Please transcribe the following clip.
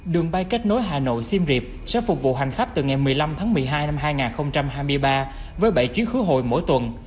đường bay kết nối hà nội simreap sẽ phục vụ hành khách từ ngày một mươi năm tháng một mươi hai năm hai nghìn hai mươi ba với bảy chuyến khứa hội mỗi tuần